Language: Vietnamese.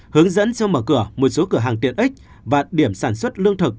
hướng dẫn sau mở cửa một số cửa hàng tiện ích và điểm sản xuất lương thực